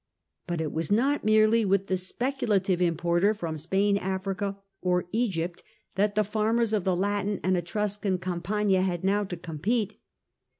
But it was not merely with the speculative importer from Spain, Africa, or Egypt, that the farmers of the Latin and Etruscan Gampagna had now to compete.